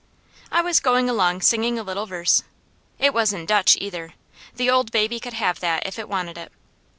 I was going along singing a little verse; it wasn't Dutch either; the old baby could have that if it wanted it.